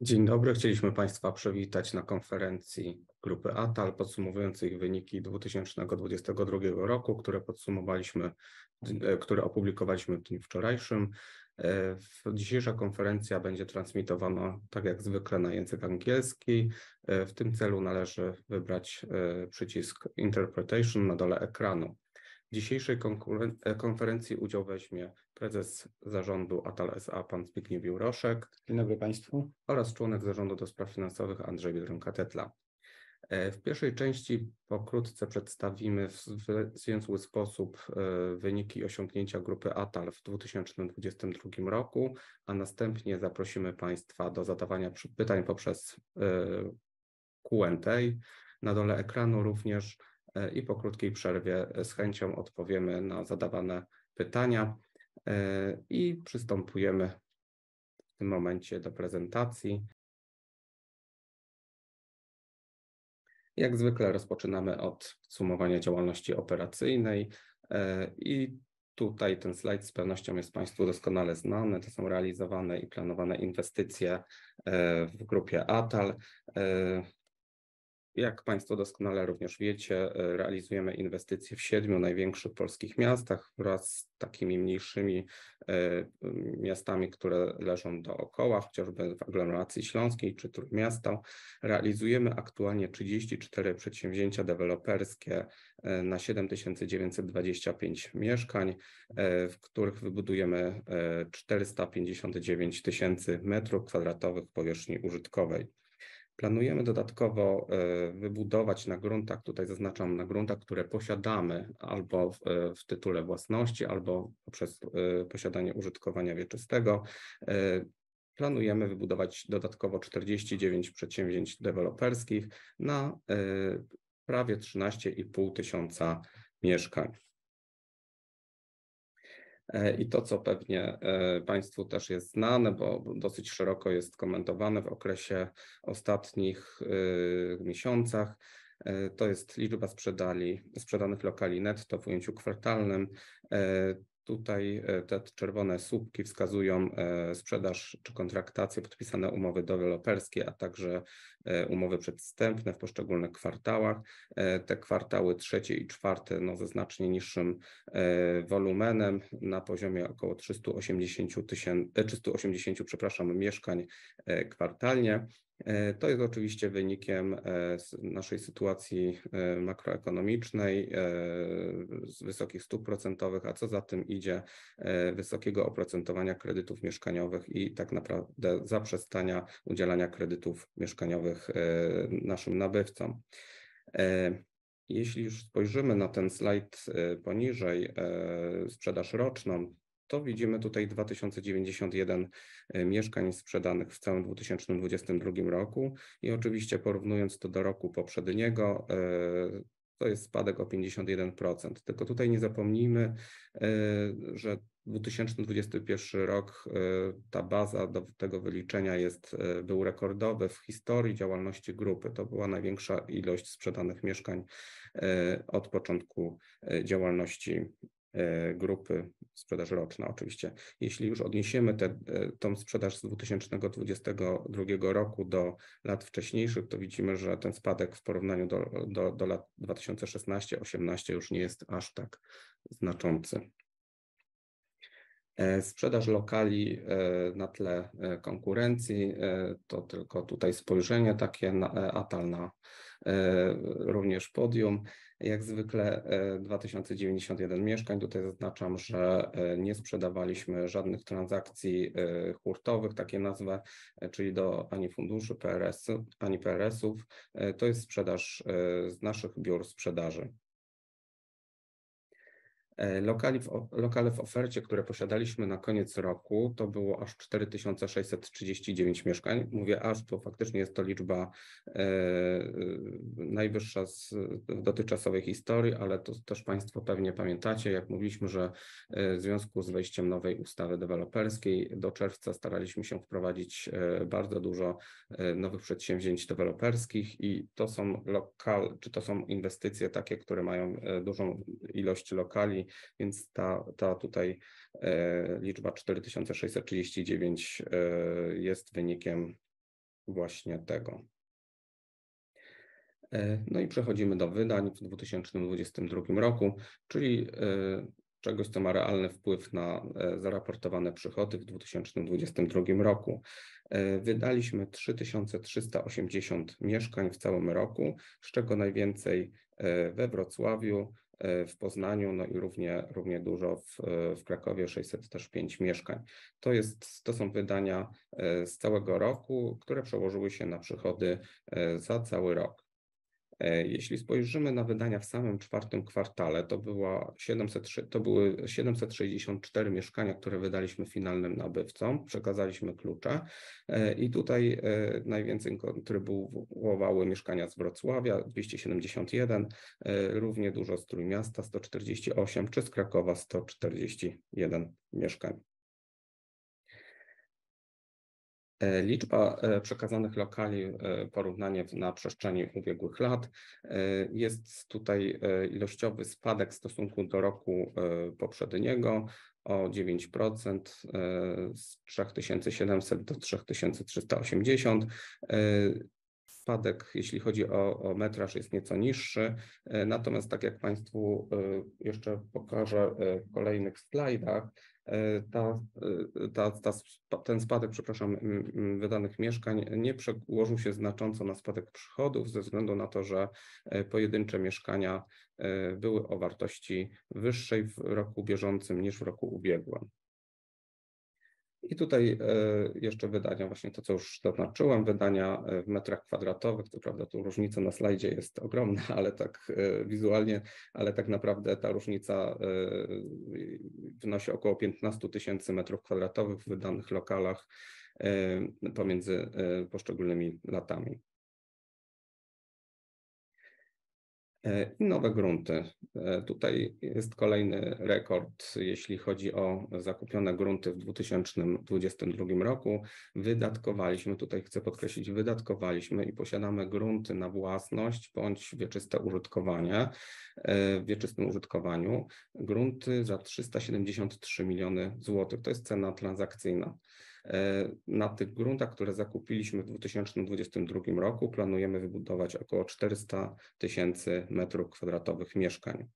Dzień dobry. Chcieliśmy państwa przywitać na konferencji grupy ATAL podsumowującej wyniki 2022 roku, które opublikowaliśmy w dniu wczorajszym. Dzisiejsza konferencja będzie transmitowana tak jak zwykle na język angielski. W tym celu należy wybrać przycisk Interpretation na dole ekranu. W dzisiejszej konferencji udział weźmie Prezes Zarządu ATAL S.A. pan Zbigniew Juroszek. Dzień dobry państwu. Oraz Członek Zarządu do spraw finansowych Andrzej Biedronka-Tetla. W pierwszej części pokrótce przedstawimy w zwięzły sposób wyniki i osiągnięcia grupy ATAL w 2022 roku, a następnie zaprosimy Państwa do zadawania pytań poprzez Q&A na dole ekranu również. Po krótkiej przerwie z chęcią odpowiemy na zadawane pytania. Przystępujemy w tym momencie do prezentacji. Jak zwykle rozpoczynamy od podsumowania działalności operacyjnej, tutaj ten slajd z pewnością jest Państwu doskonale znany. To są realizowane i planowane inwestycje w grupie ATAL. Jak Państwo doskonale również wiecie, realizujemy inwestycje w 7 największych polskich miastach wraz z takimi mniejszymi miastami, które leżą dookoła, chociażby w aglomeracji śląskiej czy Trójmiasto. Realizujemy aktualnie 34 przedsięwzięcia deweloperskie na 7,925 mieszkań, w których wybudujemy 459,000 metrów kwadratowych powierzchni użytkowej. Planujemy dodatkowo wybudować na gruntach, tutaj zaznaczam, na gruntach, które posiadamy albo w tytule własności, albo poprzez posiadanie użytkowania wieczystego. Planujemy wybudować dodatkowo 49 przedsięwzięć deweloperskich na prawie 13,500 mieszkań. I to, co pewnie Państwu też jest znane, bo dosyć szeroko jest komentowane w okresie ostatnich miesiącach, to jest liczba sprzedanych lokali netto w ujęciu kwartalnym. Tutaj te czerwone słupki wskazują sprzedaż czy kontraktacje, podpisane umowy deweloperskie, a także umowy przedwstępne w poszczególnych kwartałach. cie i czwarte, ze znacznie niższym wolumenem na poziomie około 380, przepraszam, mieszkań kwartalnie. To jest oczywiście wynikiem naszej sytuacji makroekonomicznej, z wysokich stóp procentowych, a co za tym idzie, wysokiego oprocentowania kredytów mieszkaniowych i tak naprawdę zaprzestania udzielania kredytów mieszkaniowych naszym nabywcom. Jeśli już spojrzymy na ten slajd poniżej, sprzedaż roczną, to widzimy tutaj 2,091 mieszkań sprzedanych w całym 2022 roku. I oczywiście porównując to do roku poprzedniego, to jest spadek o 51%. Tylko tutaj nie zapomnijmy, że 2021 rok, ta baza do tego wyliczenia był rekordowy w historii działalności grupy. To była największa ilość sprzedanych mieszkań od początku działalności grupy. Sprzedaż roczna oczywiście. Jeśli już odniesiemy te, tą sprzedaż z 2022 roku do lat wcześniejszych, to widzimy, że ten spadek w porównaniu do lat 2016, 2018 już nie jest aż tak znaczący. Sprzedaż lokali na tle konkurencji, to tylko tutaj spojrzenie takie na ATAL na również podium. Jak zwykle, 2,091 mieszkań. Tutaj zaznaczam, że nie sprzedawaliśmy żadnych transakcji hurtowych, tak je nazwę, czyli do ani funduszy PRS- ani PRS-ów. To jest sprzedaż z naszych biur sprzedaży. Lokale w ofercie, które posiadaliśmy na koniec roku, to było aż 4,639 mieszkań. Mówię aż, bo faktycznie jest to liczba najwyższa w dotychczasowej historii. To też państwo pewnie pamiętacie, jak mówiliśmy, że w związku z wejściem nowej ustawy deweloperskiej do czerwca staraliśmy się wprowadzić bardzo dużo nowych przedsięwzięć deweloperskich i to są czy to są inwestycje takie, które mają dużą ilość lokali. Ta tutaj liczba 4,639 jest wynikiem właśnie tego. Przechodzimy do wydań w 2022 roku, czyli czegoś, co ma realny wpływ na zaraportowane przychody w 2022 roku. Wydaliśmy 3,380 mieszkań w całym roku, z czego najwięcej we Wrocławiu, w Poznaniu, i równie dużo w Krakowie, 605 mieszkań. To są wydania z całego roku, które przełożyły się na przychody za cały rok. Jeśli spojrzymy na wydania w samym czwartym kwartale, to były 764 mieszkania, które wydaliśmy finalnym nabywcom. Przekazaliśmy klucze. I tutaj najwięcej kontrybuowały mieszkania z Wrocławia: 271. Równie dużo z Trójmiasta: 148 czy z Krakowa: 141 mieszkań. Liczba przekazanych lokali, porównanie na przestrzeni ubiegłych lat. Jest tutaj ilościowy spadek w stosunku do roku poprzedniego o 9%, z 3,700 do 3,380. Spadek, jeśli chodzi o metraż, jest nieco niższy. Natomiast tak jak państwu jeszcze pokażę w kolejnych slajdach, ta, ten spadek wydanych mieszkań nie przełożył się znacząco na spadek przychodów ze względu na to, że pojedyncze mieszkania były o wartości wyższej w roku bieżącym niż w roku ubiegłym. Tutaj jeszcze wydania. Właśnie to, co już zaznaczyłem. Wydania w metrach kwadratowych. Co prawda tu różnica na slajdzie jest ogromna, ale tak wizualnie. Ale tak naprawdę ta różnica wynosi około 15,000 metrów kwadratowych w wydanych lokalach pomiędzy poszczególnymi latami. Nowe grunty. Tutaj jest kolejny rekord, jeśli chodzi o zakupione grunty w 2022 roku. Wydatkowaliśmy, tutaj chcę podkreślić wydatkowaliśmy, i posiadamy grunty na własność bądź wieczyste użytkowanie w wieczystym użytkowaniu. Grunty za 373 zlotys miliony. To jest cena transakcyjna. Na tych gruntach, które zakupiliśmy w 2022 roku, planujemy wybudować około 400,000 metrów kwadratowych mieszkań.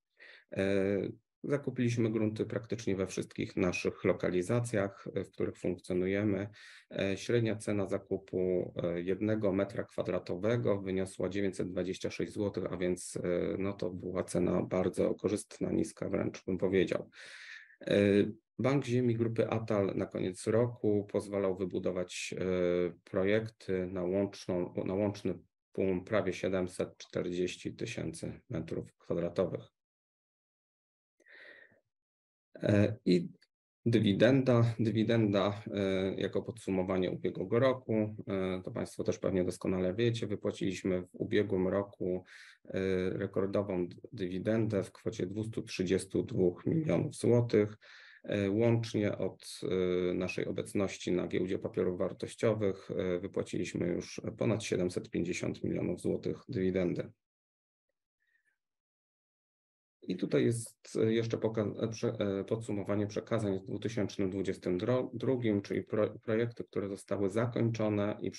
Zakupiliśmy grunty praktycznie we wszystkich naszych lokalizacjach, w których funkcjonujemy. Średnia cena zakupu jednego metra kwadratowego wyniosła PLN 926, to była cena bardzo korzystna, niska wręcz, bym powiedział. Bank ziemi grupy ATAL na koniec roku pozwalał wybudować projekty na łączny punkt prawie 740,000 metrów kwadratowych. Dywidenda. Dywidenda, jako podsumowanie ubiegłego roku, to państwo też pewnie doskonale wiecie. Wypłaciliśmy w ubiegłym roku rekordową dywidendę w kwocie 232 million zlotys. Łącznie od naszej obecności na Giełdzie Papierów Wartościowych, wypłaciliśmy już ponad 750 million zlotys dywidendy. Tutaj jest jeszcze podsumowanie przekazań w 2022, czyli projekty, które zostały zakończone i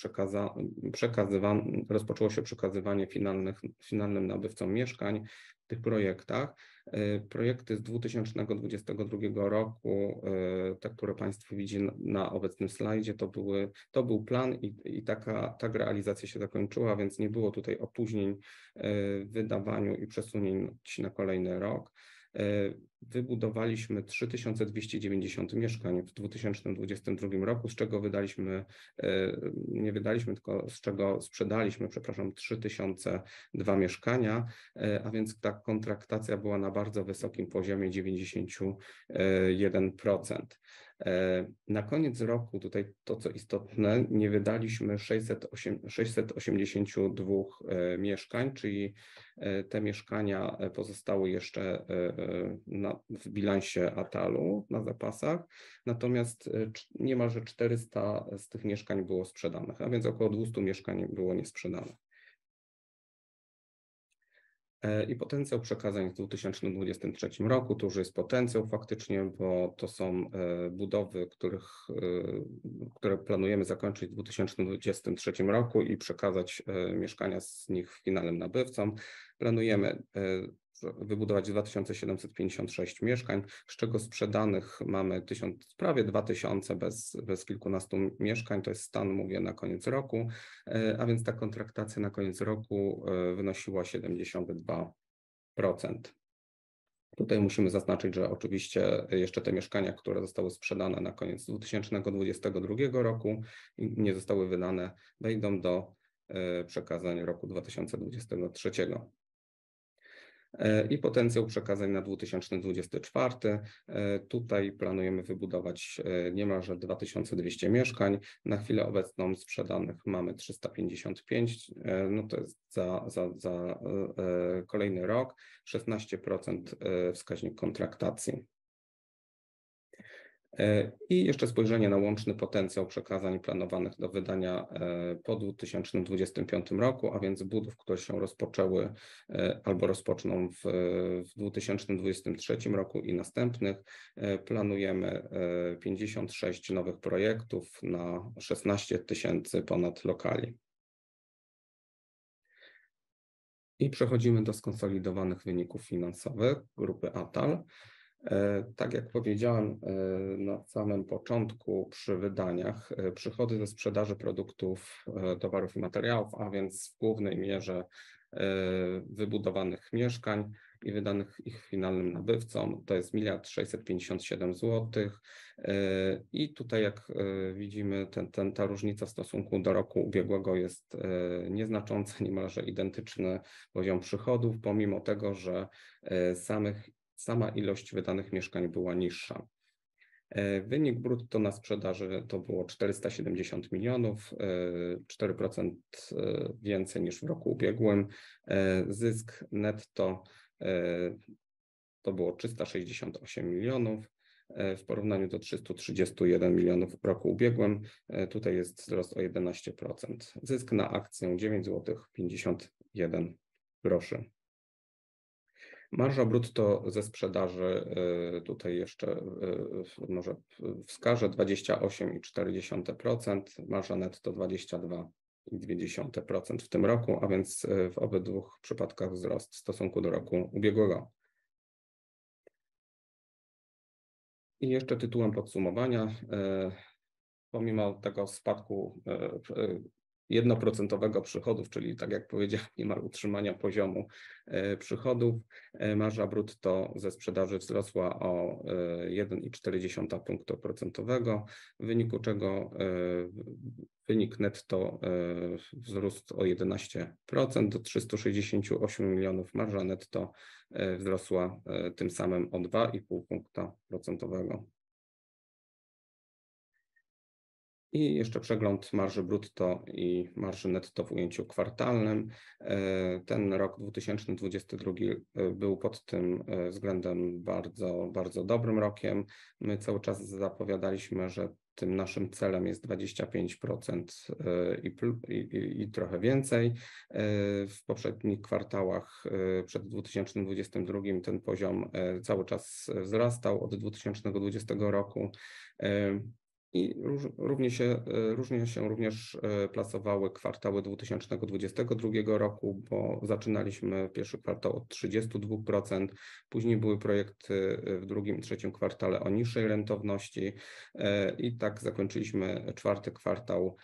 rozpoczęło się przekazywanie finalnych, finalnym nabywcom mieszkań w tych projektach. Projekty z 2022 roku, te, które państwo widzi na obecnym slajdzie, to był plan i taka realizacja się zakończyła, więc nie było tutaj opóźnień w wydawaniu i przesunięć na kolejny rok. Wybudowaliśmy 3,290 mieszkań w 2022 roku, z czego wydaliśmy, tylko z czego sprzedaliśmy, przepraszam, 3,002 mieszkania. Ta kontraktacja była na bardzo wysokim poziomie 91%. Na koniec roku tutaj to, co istotne, nie wydaliśmy 682 mieszkań. Te mieszkania pozostały jeszcze w bilansie ATALu na zapasach. Niemalże 400 z tych mieszkań było sprzedanych, a więc około 200 mieszkań było niesprzedane. Potencjał przekazań w 2023 roku to już jest potencjał faktycznie, bo to są budowy, które planujemy zakończyć w 2023 roku i przekazać mieszkania z nich finalnym nabywcom. Planujemy wybudować 2,756 mieszkań, z czego sprzedanych mamy 1,000, prawie 2,000 bez kilkunastu mieszkań. To jest stan, mówię, na koniec roku. Ta kontraktacja na koniec roku wynosiła 72%. Tutaj musimy zaznaczyć, że oczywiście jeszcze te mieszkania, które zostały sprzedane na koniec 2022 roku i nie zostały wydane, wejdą do przekazań roku 2023. Potencjał przekazań na 2024. Tutaj planujemy wybudować niemalże 2,200 mieszkań. Na chwilę obecną sprzedanych mamy 355. No to jest za kolejny rok. 16%, wskaźnik kontraktacji. I jeszcze spojrzenie na łączny potencjał przekazań planowanych do wydania po 2025 roku, a więc budów, które się rozpoczęły albo rozpoczną w 2023 roku i następnych. Planujemy 56 nowych projektów na 16,000 ponad lokali. I przechodzimy do skonsolidowanych wyników finansowych grupy ATAL. Tak jak powiedziałem na samym początku przy wydaniach. Przychody ze sprzedaży produktów, towarów i materiałów, a więc w głównej mierze wybudowanych mieszkań i wydanych ich finalnym nabywcom to jest PLN 1.657 billion. I tutaj, jak widzimy, ta różnica w stosunku do roku ubiegłego jest nieznacząca. Niemalże identyczny poziom przychodów, pomimo tego, że sama ilość wydanych mieszkań była niższa. Wynik brutto na sprzedaży to było 470 million. 4% więcej niż w roku ubiegłym. Zysk netto. To było 368 milionów w porównaniu do 331 milionów w roku ubiegłym. Tutaj jest wzrost o 11%. Zysk na akcję PLN 9.51. Marża brutto ze sprzedaży, tutaj jeszcze może wskażę: 28.4%. Marża netto 22.2% w tym roku. W obydwóch przypadkach wzrost w stosunku do roku ubiegłego. Jeszcze tytułem podsumowania, pomimo tego spadku 1% przychodów, czyli tak jak powiedziałem, niemal utrzymania poziomu przychodów, marża brutto ze sprzedaży wzrosła o 1.4 punktu procentowego, w wyniku czego wynik netto wzrósł o 11% do 368 milionów. Marża netto wzrosła tym samym o 2.5 punktu procentowego. Jeszcze przegląd marży brutto i marży netto w ujęciu kwartalnym. Ten rok, 2022, był pod tym względem bardzo dobrym rokiem. My cały czas zapowiadaliśmy, że tym naszym celem jest 25% i trochę więcej. W poprzednich kwartałach przed 2022 ten poziom cały czas wzrastał od 2020 roku i różnie się również plasowały kwartały 2022 roku, bo zaczynaliśmy pierwszy kwartał od 32%. Później były projekty w drugim i trzecim kwartale o niższej rentowności. I tak zakończyliśmy czwarty kwartał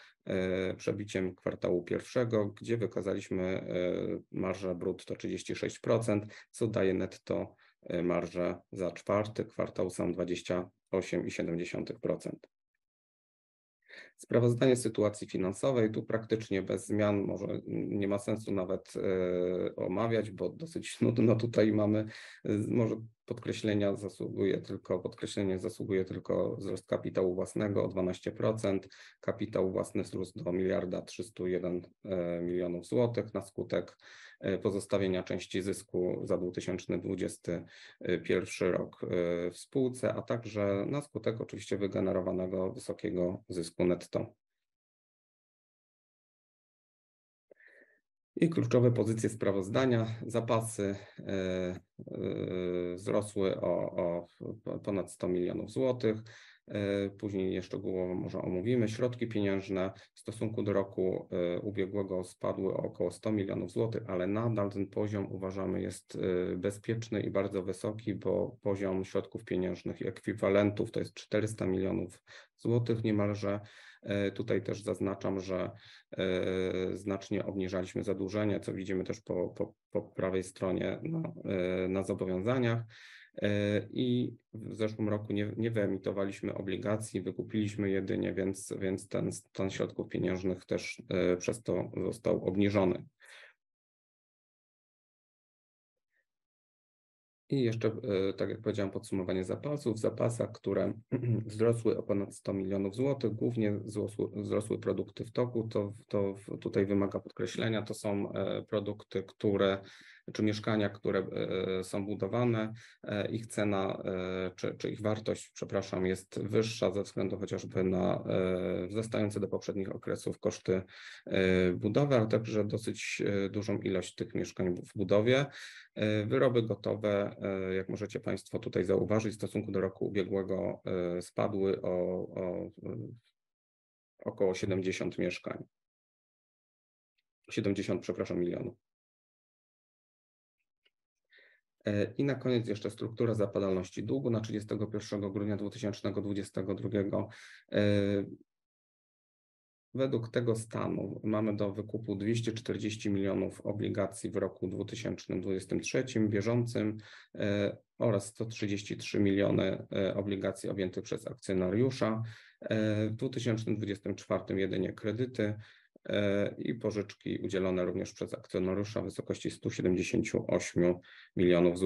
przebiciem kwartału pierwszego, gdzie wykazaliśmy marżę brutto 36%, co daje netto marżę za czwarty kwartał sam 28.7%. Sprawozdanie sytuacji finansowej. Tu praktycznie bez zmian. Może nie ma sensu nawet omawiać, bo dosyć nudno tutaj mamy. Może podkreślenia zasługuje tylko wzrost kapitału własnego o 12%. Kapitał własny wzrósł do 1.301 billion zlotys na skutek pozostawienia części zysku za 2021 rok w spółce, także na skutek oczywiście wygenerowanego wysokiego zysku netto. Kluczowe pozycje sprawozdania. Zapasy wzrosły o ponad 100 million zlotys. Później je szczegółowo może omówimy. Środki pieniężne w stosunku do roku ubiegłego spadły o około 100 million zlotys, nadal ten poziom uważamy jest bezpieczny i bardzo wysoki, bo poziom środków pieniężnych i ekwiwalentów to jest 400 million zlotys niemalże. Tutaj też zaznaczam, że znacznie obniżyliśmy zadłużenie, co widzimy też po prawej stronie na zobowiązaniach, w zeszłym roku nie wyemitowaliśmy obligacji. Wykupiliśmy jedynie. Więc ten stan środków pieniężnych też przez to został obniżony. Jeszcze, tak jak powiedziałem, podsumowanie zapasów. W zapasach, które wzrosły o ponad 100 million zlotys, głównie wzrosły produkty w toku. To tutaj wymaga podkreślenia. To są produkty, czy mieszkania, które są budowane. Ich cena, czy ich wartość, przepraszam, jest wyższa ze względu chociażby na wzrastające do poprzednich okresów koszty budowy, ale także dosyć dużą ilość tych mieszkań w budowie. Wyroby gotowe, jak możecie państwo tutaj zauważyć, w stosunku do roku ubiegłego, spadły o około 70 mieszkań. 70, przepraszam, PLN million. Na koniec jeszcze struktura zapadalności długu na 31 grudnia 2022. Według tego stanu mamy do wykupu 240 million obligacji w roku 2023, bieżącym, oraz 133 million obligacji objętych przez akcjonariusza. W 2024 jedynie kredyty i pożyczki udzielone również przez akcjonariusza w wysokości PLN 178 milionów.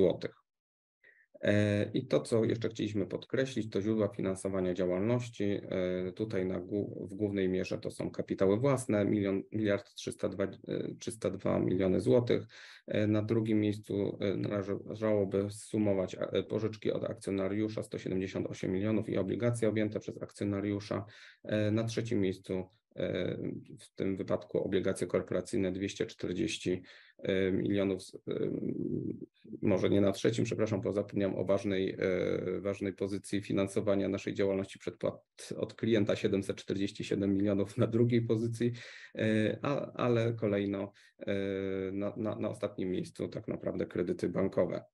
To, co jeszcze chcieliśmy podkreślić, to źródła finansowania działalności. Tutaj w głównej mierze to są kapitały własne PLN 1,302 miliony. Na drugim miejscu należałoby zsumować pożyczki od akcjonariusza: 178 milionów i obligacje objęte przez akcjonariusza. Na trzecim miejscu, w tym wypadku obligacje korporacyjne 240 milionów. Może nie na trzecim, przepraszam, bo zapomniałem o ważnej pozycji finansowania naszej działalności: przedpłat od klienta 747 milionów na drugiej pozycji, ale kolejno na ostatnim miejscu tak naprawdę kredyty bankowe.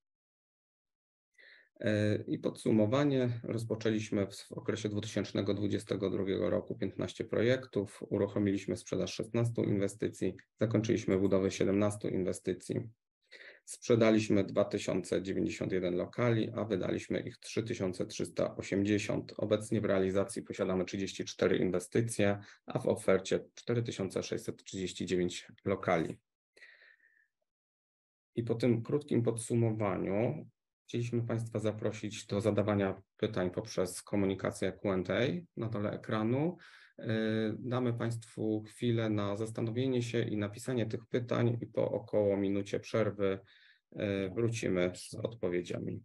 Podsumowanie. Rozpoczęliśmy w okresie 2022 roku 15 projektów. Uruchomiliśmy sprzedaż 16 inwestycji. Zakończyliśmy budowę 17 inwestycji. Sprzedaliśmy 2,091 lokali, a wydaliśmy ich 3,380. Obecnie w realizacji posiadamy 34 inwestycje, a w ofercie 4,639 lokali. Po tym krótkim podsumowaniu chcieliśmy państwa zaprosić do zadawania pytań poprzez komunikację Q&A na dole ekranu. Damy państwu chwilę na zastanowienie się i napisanie tych pytań i po około minucie przerwy, wrócimy z odpowiedziami.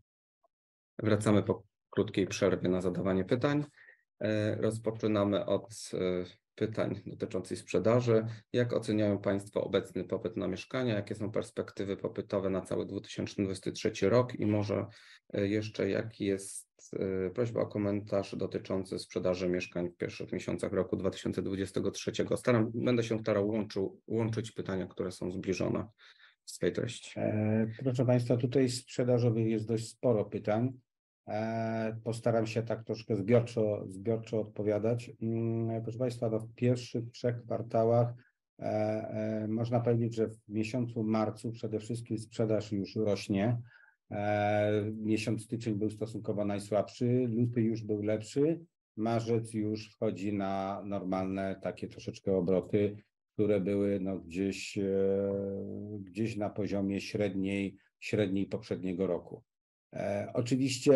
Wracamy po krótkiej przerwie na zadawanie pytań. Rozpoczynamy od pytań dotyczących sprzedaży. Jak oceniają Państwo obecny popyt na mieszkania? Jakie są perspektywy popytowe na cały 2023 rok? Może jeszcze jaki jest prośba o komentarz dotyczący sprzedaży mieszkań w pierwszych miesiącach roku 2023. Będę się starał łączyć pytania, które są zbliżone w swej treści. Proszę państwa, tutaj sprzedażowych jest dość sporo pytań. Postaram się tak troszkę zbiorczo odpowiadać. Proszę państwa, no w pierwszych trzech kwartałach, można powiedzieć, że w miesiącu marcu przede wszystkim sprzedaż już rośnie. Miesiąc styczeń był stosunkowo najsłabszy, luty już był lepszy. Marzec już wchodzi na normalne takie troszeczkę obroty, które były, no, gdzieś na poziomie średniej poprzedniego roku. Oczywiście,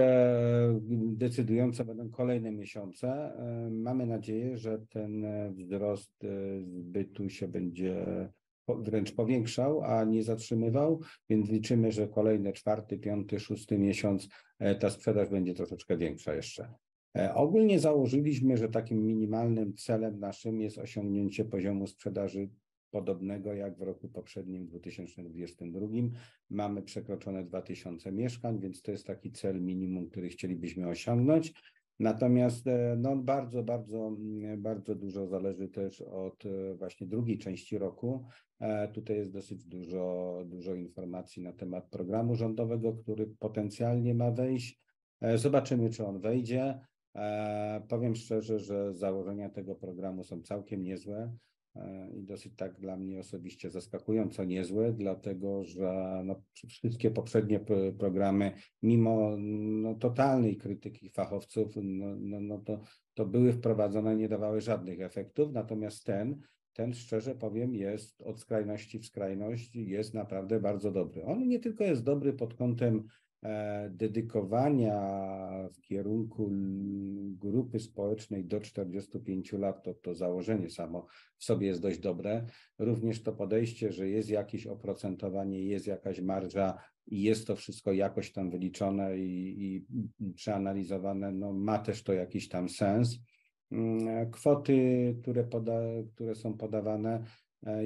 decydujące będą kolejne miesiące. Mamy nadzieję, że ten wzrost zbytu się będzie wręcz powiększał, a nie zatrzymywał. Liczymy, że kolejne czwarty, piąty, szósty miesiąc ta sprzedaż będzie troszeczkę większa jeszcze. Ogólnie założyliśmy, że takim minimalnym celem naszym jest osiągnięcie poziomu sprzedaży podobnego jak w roku poprzednim, 2022. Mamy przekroczone 2,000 mieszkań, więc to jest taki cel minimum, który chcielibyśmy osiągnąć. No, bardzo dużo zależy też od, właśnie drugiej części roku. Tutaj jest dosyć dużo informacji na temat programu rządowego, który potencjalnie ma wejść. Zobaczymy, czy on wejdzie. Powiem szczerze, że założenia tego programu są całkiem niezłe, i dosyć tak dla mnie osobiście zaskakująco niezłe. Że, no, wszystkie poprzednie, programy, mimo, no, totalnej krytyki fachowców, no to były wprowadzone, nie dawały żadnych efektów. Ten szczerze powiem, jest od skrajności w skrajność i jest naprawdę bardzo dobry. On nie tylko jest dobry pod kątem, dedykowania w kierunku grupy społecznej do 45 lat, to założenie samo w sobie jest dość dobre. Również to podejście, że jest jakieś oprocentowanie, jest jakaś marża i jest to wszystko jakoś tam wyliczone i przeanalizowane, no, ma też to jakiś tam sens. kwoty, które są podawane,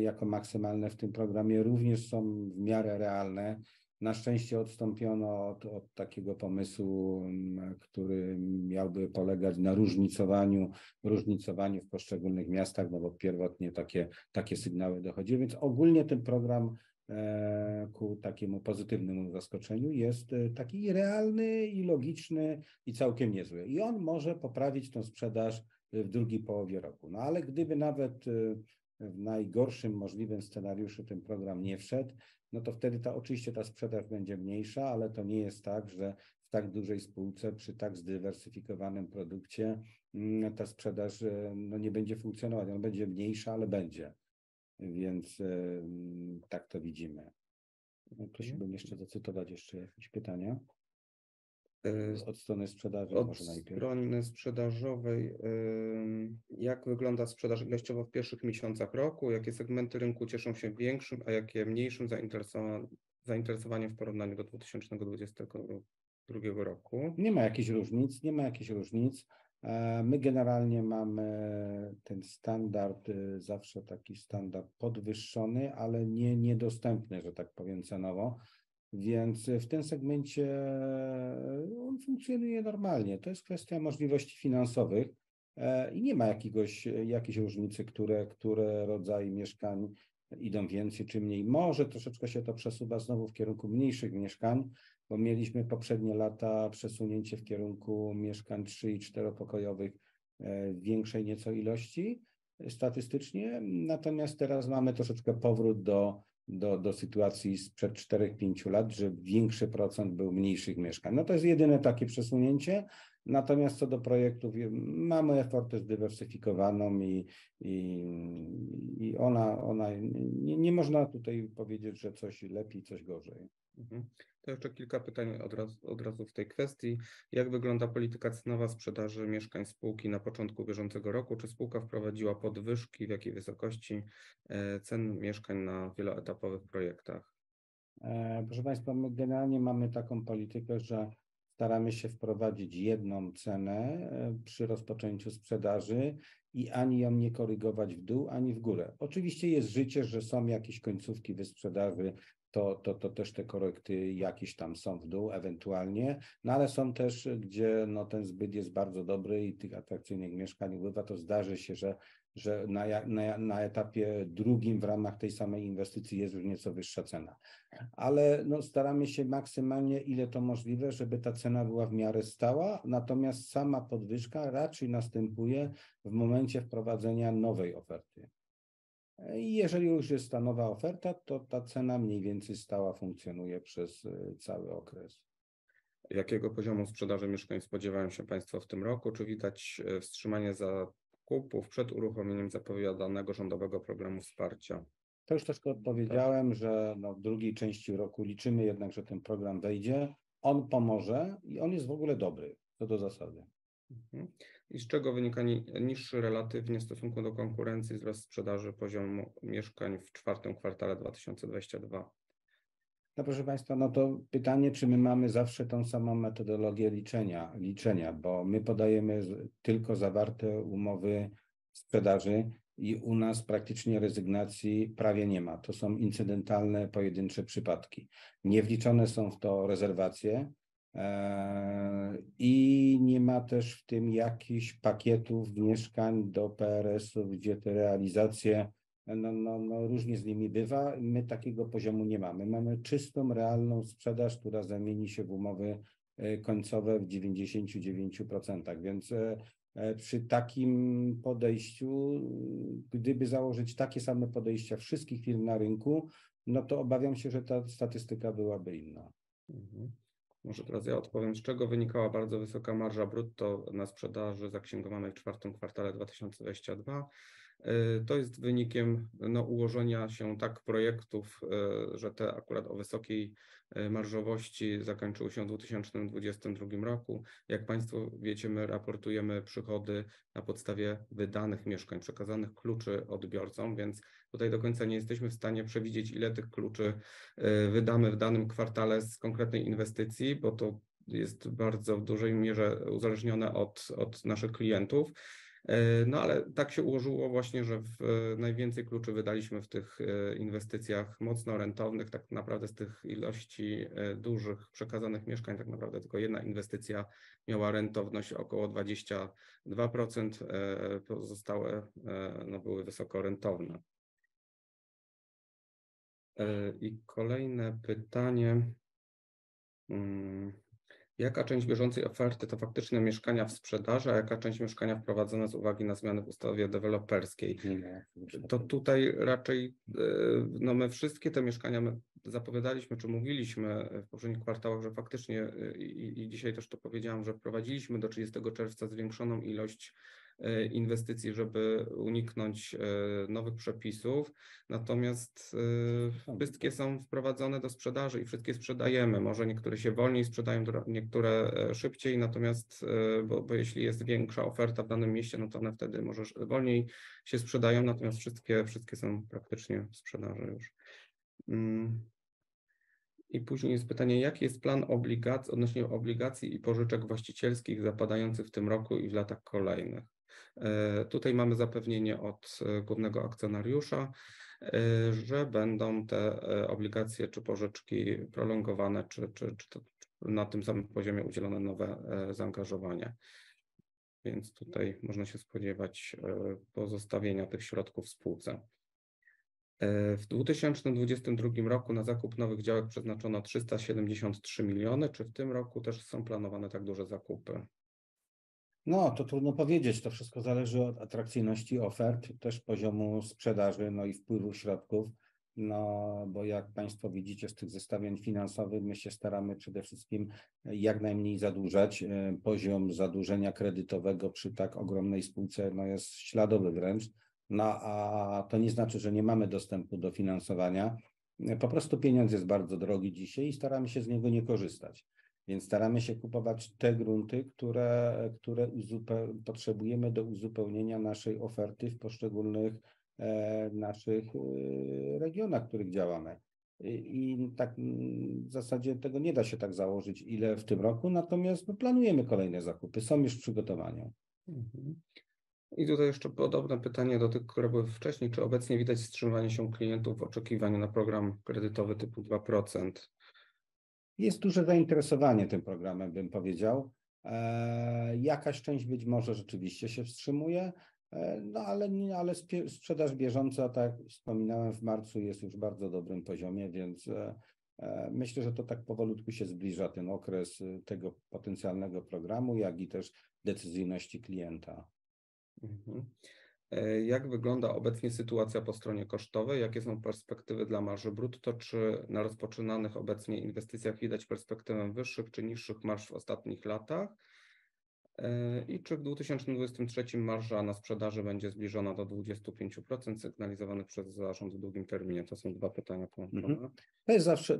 jako maksymalne w tym programie, również są w miarę realne. Na szczęście odstąpiono od takiego pomysłu, który miałby polegać na różnicowaniu w poszczególnych miastach, no bo pierwotnie takie sygnały dochodziły, więc ogólnie ten program ku takiemu pozytywnemu zaskoczeniu jest taki realny i logiczny i całkiem niezły. I on może poprawić tą sprzedaż w drugiej połowie roku. Ale gdyby nawet w najgorszym możliwym scenariuszu ten program nie wszedł, no to wtedy ta oczywiście ta sprzedaż będzie mniejsza. To nie jest tak, że w tak dużej spółce, przy tak zdywersyfikowanym produkcie, ta sprzedaż no nie będzie funkcjonować. Ona będzie mniejsza, ale będzie. Tak to widzimy. Prosiłbym jeszcze zacytować jeszcze jakieś pytania. Yy. Od strony sprzedaży może najpierw. Od strony sprzedażowej, jak wygląda sprzedaż ilościowo w pierwszych miesiącach roku? Jakie segmenty rynku cieszą się większym, a jakie mniejszym zainteresowaniem w porównaniu do 2022 roku? Nie ma jakichś różnic. My generalnie mamy ten standard, zawsze taki standard podwyższony, ale nie niedostępny, że tak powiem, cenowo. Więc w tym segmencie, on funkcjonuje normalnie. To jest kwestia możliwości finansowych, i nie ma jakiegoś, jakiejś różnicy, które rodzaje mieszkań idą więcej czy mniej. Może troszeczkę się to przesuwa znowu w kierunku mniejszych mieszkań, bo mieliśmy poprzednie lata przesunięcie w kierunku mieszkań 3 i 4-pokojowych, w większej nieco ilości statystycznie. Natomiast teraz mamy troszeczkę powrót do sytuacji sprzed 4, 5 lat, że większy procent był mniejszych mieszkań. No, to jest jedyne takie przesunięcie. Natomiast co do projektów, mamy ofertę zdywersyfikowaną i ona nie można tutaj powiedzieć, że coś lepiej, coś gorzej. To jeszcze kilka pytań od razu w tej kwestii. Jak wygląda polityka cenowa sprzedaży mieszkań spółki na początku bieżącego roku? Czy spółka wprowadziła podwyżki i w jakiej wysokości cen mieszkań na wieloetapowych projektach? Proszę państwa, my generalnie mamy taką politykę, że staramy się wprowadzić jedną cenę przy rozpoczęciu sprzedaży i ani ją nie korygować w dół, ani w górę. Oczywiście jest życie, że są jakieś końcówki wysprzedaży, to też te korekty jakieś tam są w dół ewentualnie. Są też, gdzie, no, ten zbyt jest bardzo dobry i tych atrakcyjnych mieszkań ubywa, to zdarzy się, że na etapie drugim w ramach tej samej inwestycji jest już nieco wyższa cena. Staramy się maksymalnie, ile to możliwe, żeby ta cena była w miarę stała. Natomiast sama podwyżka raczej następuje w momencie wprowadzenia nowej oferty. Jeżeli już jest ta nowa oferta, to ta cena mniej więcej stała funkcjonuje przez cały okres. Jakiego poziomu sprzedaży mieszkań spodziewają się Państwo w tym roku? Czy widać, wstrzymanie zakupów przed uruchomieniem zapowiadanego rządowego programu wsparcia? To już troszkę odpowiedziałem, że w drugiej części roku liczymy jednak, że ten program wejdzie. On pomoże. On jest w ogóle dobry co do zasady. Z czego wynika niższy relatywnie w stosunku do konkurencji wzrost sprzedaży poziomu mieszkań w czwartym kwartale 2022? Proszę państwa, no to pytanie, czy my mamy zawsze tą samą metodologię liczenia. My podajemy tylko zawarte umowy sprzedaży i u nas praktycznie rezygnacji prawie nie ma. To są incydentalne, pojedyncze przypadki. Nie wliczone są w to rezerwacje, i nie ma też w tym jakichś pakietów mieszkań do PRS-u, gdzie te realizacje, no różnie z nimi bywa. My takiego poziomu nie mamy. Mamy czystą, realną sprzedaż, która zamieni się w umowy, końcowe w 99%. Przy takim podejściu, gdyby założyć takie same podejścia wszystkich firm na rynku, no to obawiam się, że ta statystyka byłaby inna. Mhm. Może teraz ja odpowiem, z czego wynikała bardzo wysoka marża brutto na sprzedaży zaksięgowanej w Q4 2022. To jest wynikiem, no, ułożenia się tak projektów, że te akurat o wysokiej marżowości zakończyły się w 2022 roku. Jak państwo wiecie, my raportujemy przychody na podstawie wydanych mieszkań, przekazanych kluczy odbiorcom, więc tutaj do końca nie jesteśmy w stanie przewidzieć, ile tych kluczy wydamy w danym kwartale z konkretnej inwestycji, bo to jest bardzo w dużej mierze uzależnione od naszych klientów. No ale tak się ułożyło właśnie, że najwięcej kluczy wydaliśmy w tych inwestycjach mocno rentownych. Tak naprawdę z tych ilości dużych przekazanych mieszkań tak naprawdę tylko jedna inwestycja miała rentowność około 22%. Pozostałe, no, były wysoko rentowne. Kolejne pytanie. Jaka część bieżącej oferty to faktycznie mieszkania w sprzedaży, a jaka część mieszkania wprowadzone z uwagi na zmiany w ustawie deweloperskiej? Nie wiem. Tutaj raczej, no my wszystkie te mieszkania, my zapowiadaliśmy czy mówiliśmy, w poprzednich kwartałach, że faktycznie, i dzisiaj też to powiedziałem, że wprowadziliśmy do 30 czerwca zwiększoną ilość inwestycji, żeby uniknąć nowych przepisów. Wszystkie są wprowadzone do sprzedaży i wszystkie sprzedajemy. Może niektóre się wolniej sprzedają, niektóre szybciej. Bo jeśli jest większa oferta w danym mieście, no to one wtedy może wolniej się sprzedają. Wszystkie, wszystkie są praktycznie w sprzedaży już. I później jest pytanie, jaki jest plan obligacji odnośnie obligacji i pożyczek właścicielskich zapadających w tym roku i w latach kolejnych. Tutaj mamy zapewnienie od głównego akcjonariusza, że będą te obligacje czy pożyczki prolongowane, czy to na tym samym poziomie udzielone nowe zaangażowanie. Tutaj można się spodziewać pozostawienia tych środków spółce. W 2022 roku na zakup nowych działek przeznaczono 373 miliony. Czy w tym roku też są planowane tak duże zakupy? No, to trudno powiedzieć. To wszystko zależy od atrakcyjności ofert, też poziomu sprzedaży, no i wpływu środków. No, bo jak państwo widzicie z tych zestawień finansowych, my się staramy przede wszystkim, jak najmniej zadłużać. Poziom zadłużenia kredytowego przy tak ogromnej spółce, no, jest śladowy wręcz. To nie znaczy, że nie mamy dostępu do finansowania. Po prostu pieniądz jest bardzo drogi dzisiaj i staramy się z niego nie korzystać. Staramy się kupować te grunty, które potrzebujemy do uzupełnienia naszej oferty w poszczególnych, naszych, regionach, w których działamy. I tak, w zasadzie tego nie da się tak założyć, ile w tym roku. Natomiast planujemy kolejne zakupy, są już w przygotowaniu. Tutaj jeszcze podobne pytanie do tych, które były wcześniej. Czy obecnie widać wstrzymywanie się klientów w oczekiwaniu na program kredytowy typu 2%? Jest duże zainteresowanie tym programem, bym powiedział. Jakaś część być może rzeczywiście się wstrzymuje, no ale sprzedaż bieżąca, tak jak wspominałem w marcu, jest już w bardzo dobrym poziomie, więc myślę, że to tak powolutku się zbliża ten okres tego potencjalnego programu, jak i też decyzyjności klienta. Jak wygląda obecnie sytuacja po stronie kosztowej? Jakie są perspektywy dla marży brutto? Czy na rozpoczynanych obecnie inwestycjach widać perspektywę wyższych czy niższych marż w ostatnich latach? Czy w 2023 marża na sprzedaży będzie zbliżona do 25% sygnalizowanych przez zarząd w długim terminie? To są dwa pytania połączone.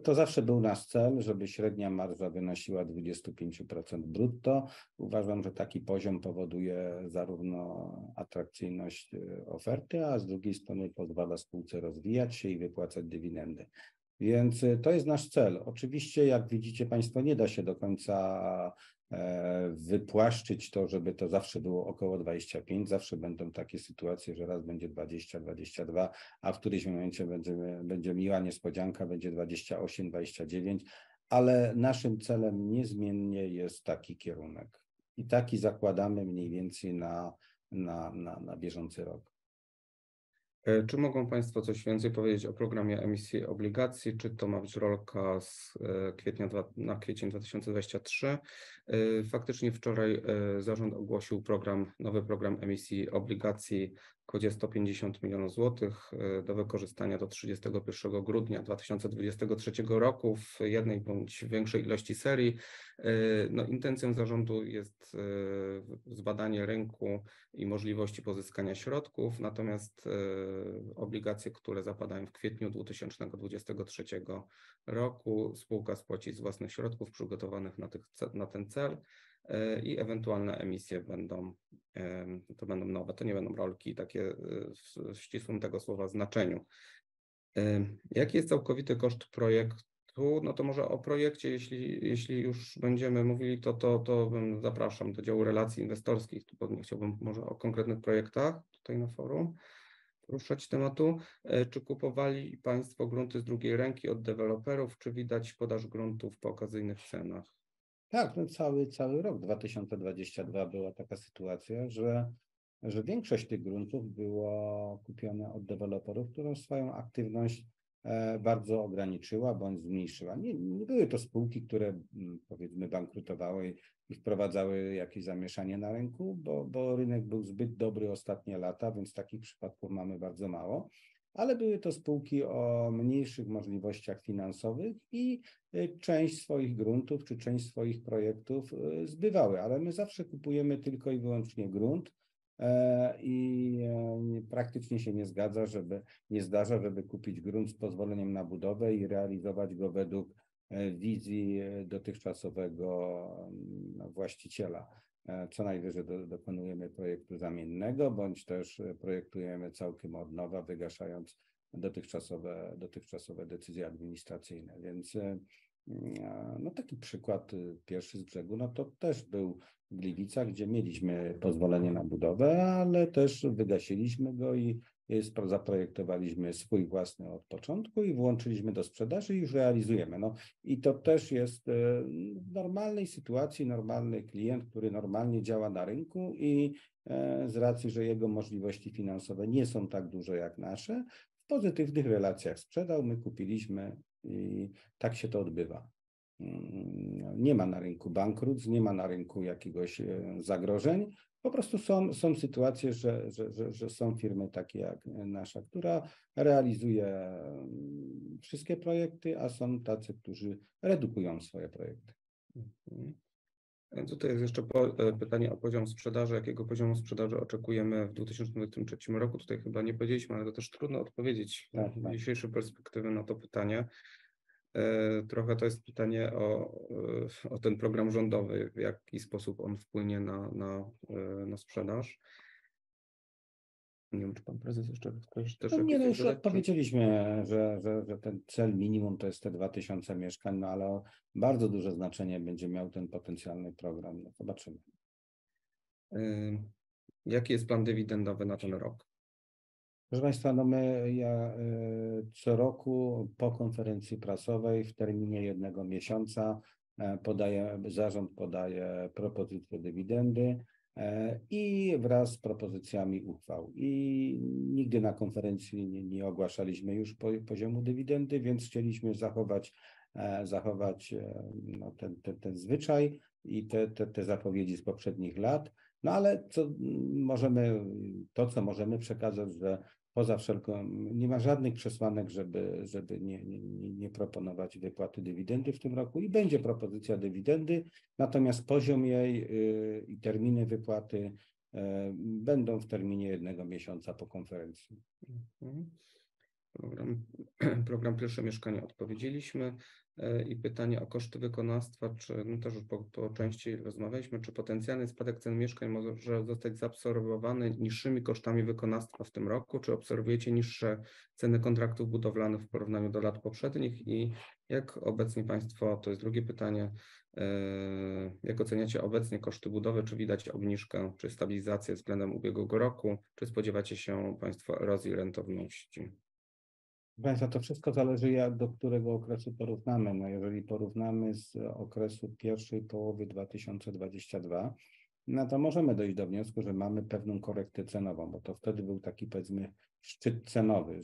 To zawsze był nasz cel, żeby średnia marża wynosiła 25% brutto. Uważam, że taki poziom powoduje zarówno atrakcyjność oferty, a z drugiej strony pozwala spółce rozwijać się i wypłacać dywidendy. Więc to jest nasz cel. Oczywiście, jak widzicie państwo, nie da się do końca wypłaszczyć to, żeby to zawsze było około 25%. Zawsze będą takie sytuacje, że raz będzie 20%-22%, a w którymś momencie będzie miła niespodzianka, będzie 28%-29%. Ale naszym celem niezmiennie jest taki kierunek i taki zakładamy mniej więcej na bieżący rok. Czy mogą państwo coś więcej powiedzieć o programie emisji obligacji? Czy to ma być rolka z kwietnia na kwiecień 2023? Faktycznie wczoraj zarząd ogłosił program, nowy program emisji obligacji kwocie 150 million zlotys, do wykorzystania do 31 grudnia 2023 roku w jednej bądź większej ilości serii. Intencją zarządu jest zbadanie rynku i możliwości pozyskania środków. Natomiast obligacje, które zapadają w kwietniu 2023 roku, spółka spłaci z własnych środków przygotowanych na ten cel, i ewentualne emisje będą to będą nowe. To nie będą rolki takie w ścisłym tego słowa znaczeniu. Jaki jest całkowity koszt projektu? To może o projekcie, jeśli już będziemy mówili, to bym zapraszam do działu relacji inwestorskich. Tu pewnie chciałbym może o konkretnych projektach tutaj na forum poruszać tematu. Czy kupowali państwo grunty z drugiej ręki od deweloperów? Czy widać podaż gruntów po okazyjnych cenach? Tak, no cały rok 2022 była taka sytuacja, że większość tych gruntów było kupiona od deweloperów, która swoją aktywność bardzo ograniczyła bądź zmniejszyła. Nie, nie były to spółki, które powiedzmy bankrutowały i wprowadzały jakieś zamieszanie na rynku, bo rynek był zbyt dobry ostatnie lata, więc takich przypadków mamy bardzo mało. Ale były to spółki o mniejszych możliwościach finansowych i część swoich gruntów czy część swoich projektów zbywały. Ale my zawsze kupujemy tylko i wyłącznie grunt i praktycznie się nie zdarza, żeby kupić grunt z pozwoleniem na budowę i realizować go według wizji dotychczasowego właściciela. Co najwyżej dokonujemy projektu zamiennego bądź też projektujemy całkiem od nowa, wygaszając dotychczasowe decyzje administracyjne. no taki przykład, pierwszy z brzegu, no to też był w Gliwicach, gdzie mieliśmy pozwolenie na budowę, ale też wygasiliśmy go i zaprojektowaliśmy swój własny od początku i włączyliśmy do sprzedaży i już realizujemy, no. I to też jest w normalnej sytuacji normalny klient, który normalnie działa na rynku i z racji, że jego możliwości finansowe nie są tak duże jak nasze, w pozytywnych relacjach sprzedał, my kupiliśmy. I tak się to odbywa. Nie ma na rynku bankructw, nie ma na rynku jakiegoś zagrożeń. Po prostu są sytuacje, że są firmy takie jak nasza, która realizuje wszystkie projekty, a są tacy, którzy redukują swoje projekty. tutaj jest jeszcze pytanie o poziom sprzedaży. Jakiego poziomu sprzedaży oczekujemy w 2023 roku? Tutaj chyba nie powiedzieliśmy, ale to też trudno odpowiedzieć. Tak, tak.... z dzisiejszej perspektywy na to pytanie. Trochę to jest pytanie o ten program rządowy. W jaki sposób on wpłynie na sprzedaż. Nie wiem, czy Pan Prezes jeszcze coś też. Nie, już odpowiedzieliśmy, że ten cel minimum to jest te 2,000 mieszkań, bardzo duże znaczenie będzie miał ten potencjalny program. Zobaczymy. Jaki jest plan dywidendowy na ten rok? Proszę państwa, no my, ja, co roku po konferencji prasowej w terminie 1 miesiąca, zarząd podaje propozycję dywidendy wraz z propozycjami uchwał. Nigdy na konferencji nie ogłaszaliśmy już poziomu dywidendy, więc chcieliśmy zachować ten zwyczaj i te zapowiedzi z poprzednich lat. No co możemy, to, co możemy przekazać, że nie ma żadnych przesłanek, żeby nie proponować wypłaty dywidendy w tym roku i będzie propozycja dywidendy. Poziom jej i terminy wypłaty będą w terminie 1 miesiąca po konferencji. Mhm. Program Pierwsze Mieszkanie odpowiedzieliśmy. Pytanie o koszty wykonawstwa. no też już po części rozmawialiśmy. Potencjalny spadek cen mieszkań może zostać zaabsorbowany niższymi kosztami wykonawstwa w tym roku? Obserwujecie niższe ceny kontraktów budowlanych w porównaniu do lat poprzednich jak obecnie państwo, to jest drugie pytanie, jak oceniacie obecnie koszty budowy? Widać obniżkę, czy stabilizację względem ubiegłego roku? Spodziewacie się państwo erozji rentowności? Proszę państwa, to wszystko zależy, jak, do którego okresu porównamy. Jeżeli porównamy z okresu pierwszej połowy 2022, to możemy dojść do wniosku, że mamy pewną korektę cenową, bo to wtedy był taki, powiedzmy, szczyt cenowy,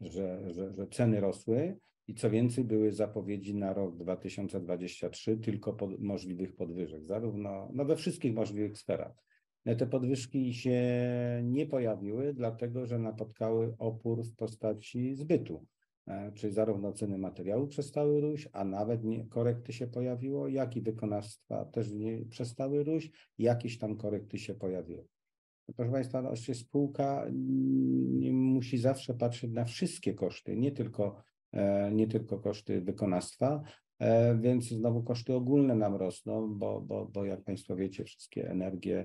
że ceny rosły i co więcej były zapowiedzi na rok 2023 tylko możliwych podwyżek, zarówno we wszystkich możliwych sferach. Te podwyżki się nie pojawiły dlatego, że napotkały opór w postaci zbytu. Czyli zarówno ceny materiałów przestały róść, a nawet korekty się pojawiło, jak i wykonawstwa też przestały róść i jakieś tam korekty się pojawiły. Proszę państwa, oczywiście spółka musi zawsze patrzeć na wszystkie koszty, nie tylko nie tylko koszty wykonawstwa. Znowu koszty ogólne nam rosną, bo jak państwo wiecie, wszystkie energie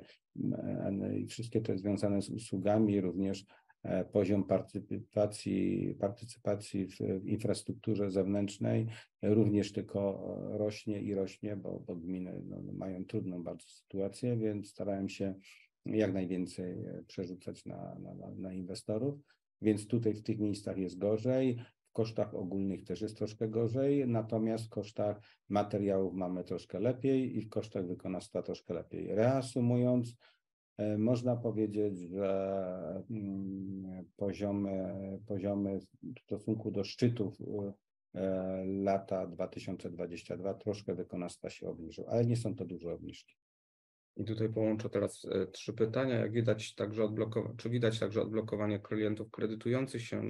i wszystkie te związane z usługami, również poziom partycypacji w infrastrukturze zewnętrznej również tylko rośnie i rośnie, bo gminy, no mają trudną bardzo sytuację, więc starają się jak najwięcej przerzucać na inwestorów. Więc tutaj w tych miejscach jest gorzej. W kosztach ogólnych też jest troszkę gorzej, natomiast w kosztach materiałów mamy troszkę lepiej i w kosztach wykonawstwa troszkę lepiej. Reasumując, można powiedzieć, że poziomy w stosunku do szczytów lata 2022 troszkę wykonawstwa się obniżył, ale nie są to duże obniżki. tutaj połączę teraz, trzy pytania. Jak widać także, czy widać także odblokowanie klientów kredytujących się?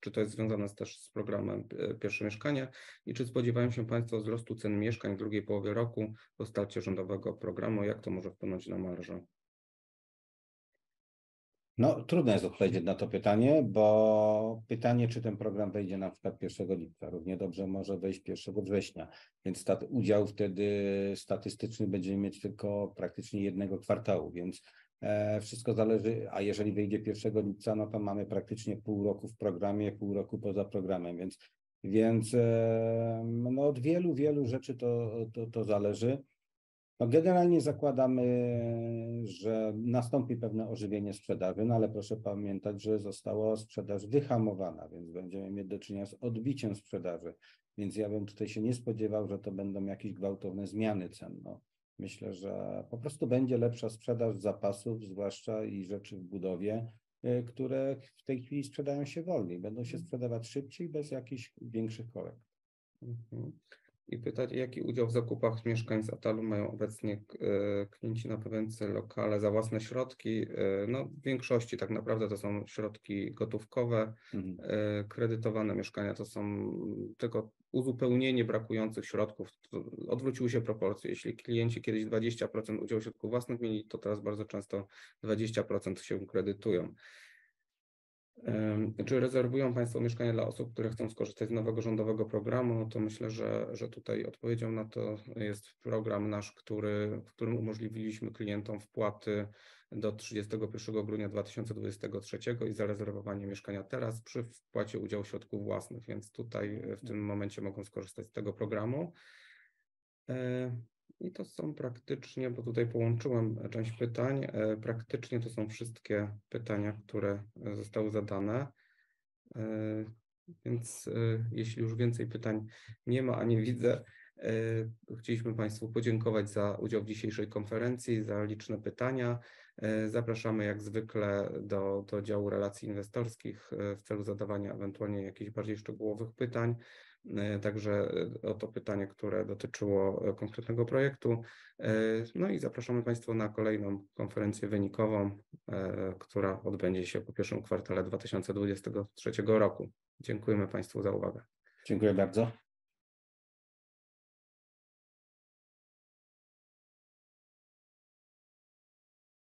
Czy to jest związane też z programem Pierwsze Mieszkanie i czy spodziewają się państwo wzrostu cen mieszkań w drugiej połowie roku w postaci rządowego programu? Jak to może wpłynąć na marżę? No trudno jest odpowiedzieć na to pytanie, bo. Pytanie, czy ten program wejdzie na przykład pierwszego lipca. Równie dobrze może wejść pierwszego września. Udział wtedy statystyczny będziemy mieć tylko praktycznie jednego kwartału. Wszystko zależy. Jeżeli wejdzie pierwszego lipca, to mamy praktycznie pół roku w programie, pół roku poza programem. Od wielu rzeczy to zależy. Generalnie zakładamy, że nastąpi pewne ożywienie sprzedaży. Proszę pamiętać, że została sprzedaż wyhamowana. Będziemy mieć do czynienia z odbiciem sprzedaży. Ja bym tutaj się nie spodziewał, że to będą jakieś gwałtowne zmiany cen. Myślę, że po prostu będzie lepsza sprzedaż zapasów zwłaszcza i rzeczy w budowie, które w tej chwili sprzedają się wolniej, będą się sprzedawać szybciej, bez jakichś większych korekt. Pytanie, jaki udział w zakupach mieszkań z ATAL mają obecnie, klienci na pewien cel, lokale za własne środki? W większości tak naprawdę to są środki gotówkowe. Mhm. Kredytowane mieszkania to są tylko uzupełnienie brakujących środków. Odwróciły się proporcje. Jeśli klienci kiedyś 20% udział środków własnych mieli, to teraz bardzo często 20% się kredytują. Czy rezerwują państwo mieszkania dla osób, które chcą skorzystać z nowego rządowego programu? Myślę, że tutaj odpowiedzią na to jest program nasz, w którym umożliwiliśmy klientom wpłaty do 31 grudnia 2023 i zarezerwowanie mieszkania teraz przy wpłacie udziału środków własnych. Tutaj w tym momencie mogą skorzystać z tego programu. To są praktycznie, bo tutaj połączyłem część pytań. Praktycznie to są wszystkie pytania, które zostały zadane. Jeśli już więcej pytań nie ma, a nie widzę, chcieliśmy państwu podziękować za udział w dzisiejszej konferencji, za liczne pytania. Zapraszamy jak zwykle do działu relacji inwestorskich w celu zadawania ewentualnie jakichś bardziej szczegółowych pytań. Także o to pytanie, które dotyczyło konkretnego projektu. No i zapraszamy państwa na kolejną konferencję wynikową, która odbędzie się po pierwszym kwartale 2023 roku. Dziękujemy państwu za uwagę. Dziękuję bardzo.